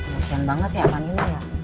kusian banget ya kak nino ya